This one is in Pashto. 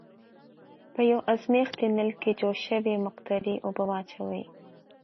په یوه ازمیښتي نل کې جوش شوې مقطرې اوبه واچوئ.